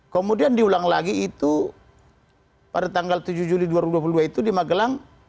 kemudian diulang lagi itu pada tanggal tujuh juli dua ribu dua puluh dua itu di magelang